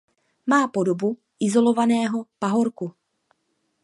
Má podobu izolovaného pahorku.